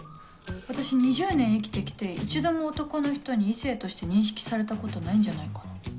私２０年生きて来て一度も男の人に異性として認識されたことないんじゃないかな。